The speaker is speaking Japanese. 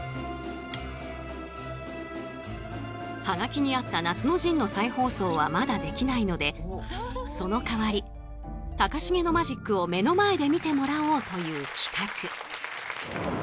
ハガキにあった「夏の陣」の再放送はまだできないのでそのかわり高重のマジックを目の前で見てもらおうという企画。